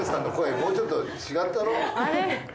もうちょっと違ったろ？